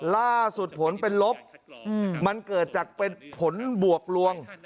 ล่าสุดผลเป็นลบมันเกิดจากเป็นผลบวกลวง